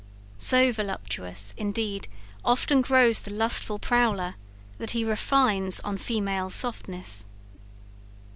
So voluptuous, indeed, often grows the lustful prowler, that he refines on female softness.